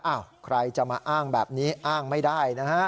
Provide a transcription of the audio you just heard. ใครจะมาอ้างแบบนี้อ้างไม่ได้นะฮะ